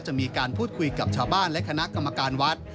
จะมีการพูดคุยกับชาวบ้านและคณะกรรมการวัด